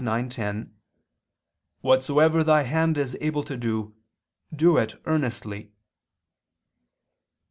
9:10): "Whatsoever thy hand is able to do, do it earnestly."